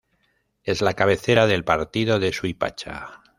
Es la cabecera del partido de Suipacha.